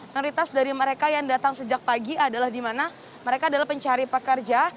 prioritas dari mereka yang datang sejak pagi adalah di mana mereka adalah pencari pekerja